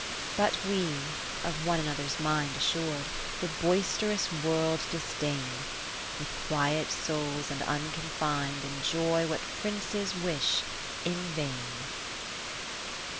IX But we (of one another's mind Assur'd) the boisterous World disdain ; With quiet souls and unconfin'd Enjoy what Princes wish in vain.